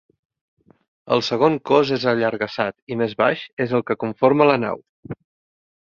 El segon cos és allargassat i més baix és el que conforma la nau.